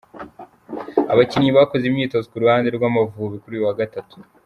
Abakinnyi bakoze imyitozo ku ruhande rw’Amavubi kuri uyu wa gatatu:.